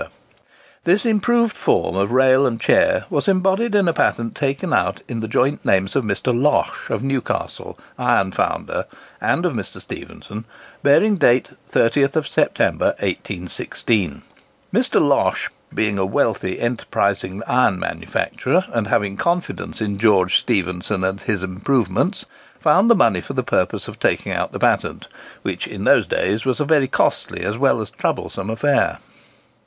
[Picture: Half lap Joint] This improved form of rail and chair was embodied in a patent taken out in the joint names of Mr. Losh, of Newcastle, iron founder, and of Mr. Stephenson, bearing date 30th September, 1816. Mr. Losh being a wealthy, enterprising iron manufacturer, and having confidence in George Stephenson and his improvements, found the money for the purpose of taking out the patent, which, in those days, was a very costly as well as troublesome affair.